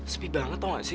sepi banget tau gak sih